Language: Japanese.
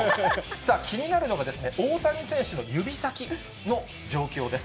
さあ、気になるのが、大谷選手の指先の状況です。